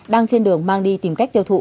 đang trên đường mang đi tìm cách tiêu thụ